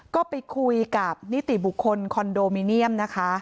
ก็ไปคุยกับนิติบุคคลคอนโดมิเนียมนะคะ